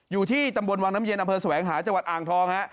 อยู่ที่ตำบลวังน้ำเย็นอำเภอแสวงหาจังหวัดอ่างทองฮะ